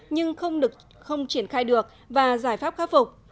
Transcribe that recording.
nhưng không triển khai được và giải pháp khắc phục